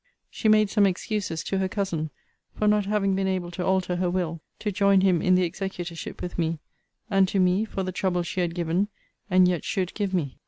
She made some excuses to her cousin, for not having been able to alter her will, to join him in the executorship with me; and to me, for the trouble she had given, and yet should give me.